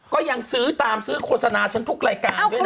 ก็ยังซื้อตามซื้อโฆษณาฉันทุกรายการด้วยนะ